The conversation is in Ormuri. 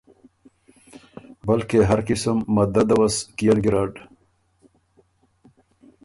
بلکې هر قسم مدد وه سُو کيېن ګیرډ۔